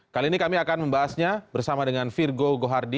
kali ini kami akan membahasnya bersama dengan virgo gohardi